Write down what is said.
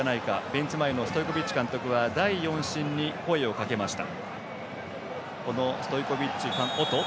ベンチ前のストイコビッチ監督は第４審に声をかけました。